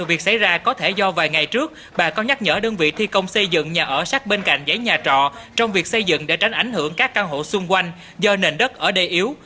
việc xảy ra có thể do vài ngày trước bà có nhắc nhở đơn vị thi công xây dựng nhà ở sát bên cạnh giấy nhà trọ trong việc xây dựng để tránh ảnh hưởng các căn hộ xung quanh do nền đất ở đây yếu